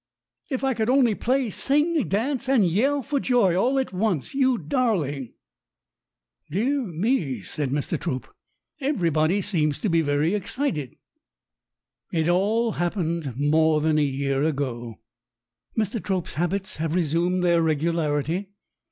"If I could only play, sing, dance, and yell for joy all at once, you darling!" "Dear me," said Mr. Trope, "everybody seems to be very excited." It all happened more than a year ago. Mr. Trope's habits have resumed their regularity.